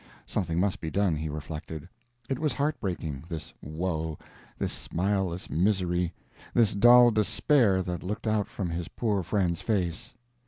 Something must be done, he reflected; it was heart breaking, this woe, this smileless misery, this dull despair that looked out from his poor friend's face.